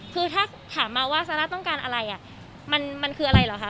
คือถ้าถามมาว่าซาร่าต้องการอะไรมันคืออะไรเหรอคะ